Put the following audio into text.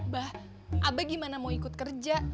bah abah gimana mau ikut kerja